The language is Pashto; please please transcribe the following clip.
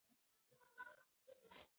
ماشومان باید په ټولنه کې فعال وي.